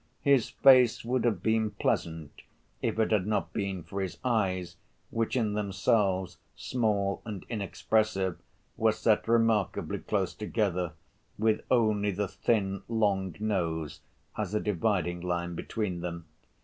His face would have been pleasant, if it had not been for his eyes, which, in themselves small and inexpressive, were set remarkably close together, with only the thin, long nose as a dividing line between them.